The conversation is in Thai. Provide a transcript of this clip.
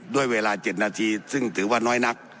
ด้วยเวลา๗นาทีซึ่งถือว่าน้อยนัก